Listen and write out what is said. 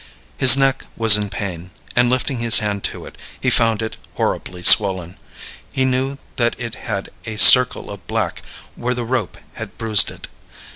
His neck was in pain, and lifting his hand to it, he found it horribly swollen. He knew that it had a circle of black where the rope had bruised it.